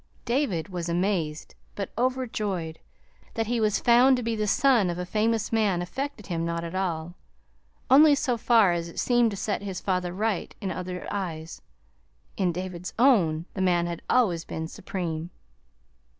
David was amazed, but overjoyed. That he was found to be the son of a famous man affected him not at all, only so far as it seemed to set his father right in other eyes in David's own, the man had always been supreme.